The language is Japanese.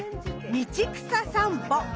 「道草さんぽ・春」。